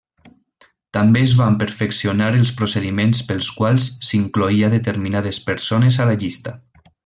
També es van perfeccionar els procediments pels quals s'incloïa determinades persones a la llista.